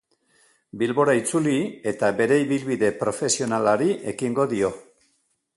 Bilbora itzuli eta bere ibilbide profesionalari ekingo dio.